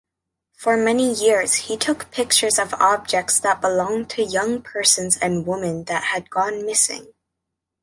For many years he took pictures of objects that belonged to young persons and women that had gone missing.